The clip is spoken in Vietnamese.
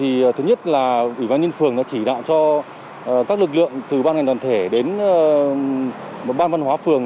thì thứ nhất là ủy ban nhân phường đã chỉ đạo cho các lực lượng từ ban ngành đoàn thể đến ban văn hóa phường